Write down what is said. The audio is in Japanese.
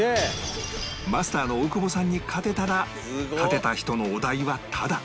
マスターの大久保さんに勝てたら勝てた人のお代はタダ